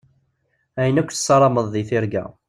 Ayen akk tessarameḍ deg tirga.